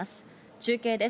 中継です。